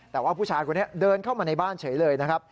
แต่ว่าผู้ชายคนนี้เดินเข้ามาในบ้านเฉยเลยนะครับ